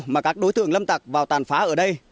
mà các đối tượng lâm tặc vào tàn phá ở đây